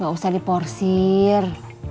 gak usah diporsir